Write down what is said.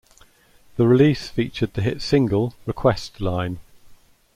The release featured the hit single Request Line.